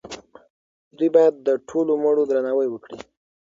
دوی باید د ټولو مړو درناوی وکړي.